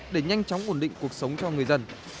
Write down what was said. để nhanh chóng ổn định cuộc sống cho người dân